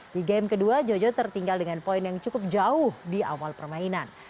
di game kedua jojo tertinggal dengan poin yang cukup jauh di awal permainan